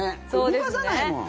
動かさないもんね。